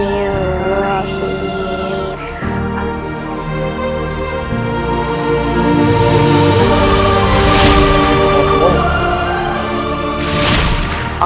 iya memangnya kenapa